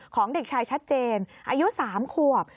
ของเด็กชายชัดเจนอายุ๓ขวบ